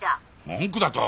文句だと？